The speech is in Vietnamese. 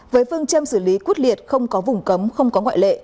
với phương châm xử lý quốc liệt không có vùng cấm không có ngoại lệ